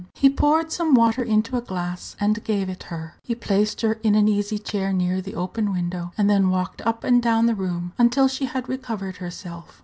He poured some water into a glass, and gave it her. He placed her in an easy chair near the open window, and then walked up and down the room until she had recovered herself.